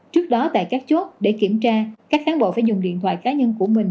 trước đó tại các chốt để kiểm tra các cán bộ phải dùng điện thoại cá nhân của mình